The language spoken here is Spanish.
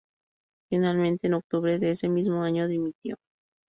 Finalmente, en octubre de ese mismo año, dimitió.